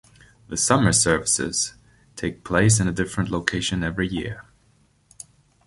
The Summer Services take place in a different location every year.